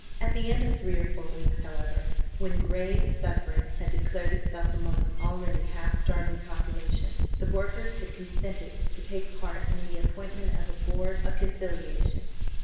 At the end of three or four weeks, however, when grave suffering had declared itself among an already half starved population, the workers had consented to take part in the appointment of a board of conciliation.